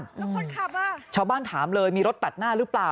แล้วคนขับอ่ะชาวบ้านถามเลยมีรถตัดหน้าหรือเปล่า